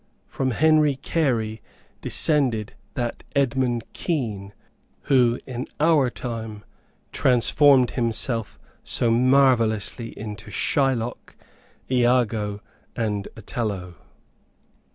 From Henry Carey descended that Edmund Kean, who, in our time, transformed himself so marvellously into Shylock, Iago and Othello.